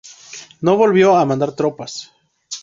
No volvió a mandar tropas.